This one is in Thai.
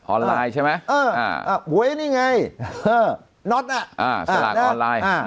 ออนไลน์ใช่ไหมหวยนี่ไงสลากออนไลน์